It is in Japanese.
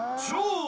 そう